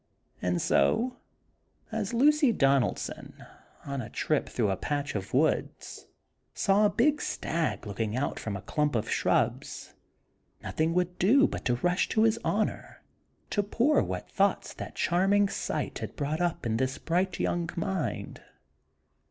And so, as Lucy Donaldson on a trip through a patch of woods, saw a big stag looking out from a clump of shrubs, nothing would do but to rush to His Honor to pour what thoughts that charming sight had brought up in this bright young mind.